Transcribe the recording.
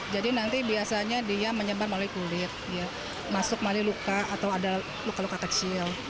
jadi nanti biasanya dia menyebar melalui kulit masuk melalui luka atau ada luka luka kecil